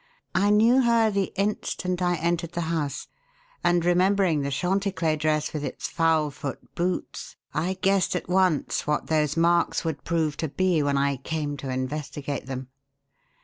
I knew her the instant I entered the house; and, remembering the Chanticler dress with its fowl's foot boots, I guessed at once what those marks would prove to be when I came to investigate them.